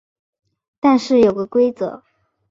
但是有个规则